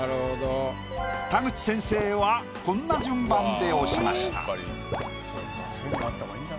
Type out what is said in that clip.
田口先生はこんな順番で押しました。